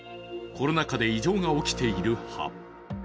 コロナ禍で異常が起きている歯。